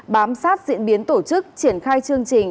bám sát diễn biến tổ chức triển khai chương trình